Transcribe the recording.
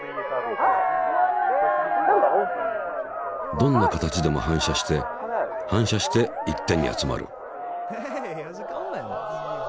どんな形でも反射して反射して一点に集まる。